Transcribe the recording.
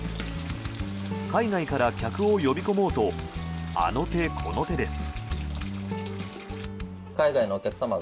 海外から客を呼び込もうとあの手この手です。